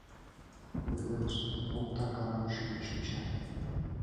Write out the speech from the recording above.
Ойлемыс, мом так арам шӱйын шинча?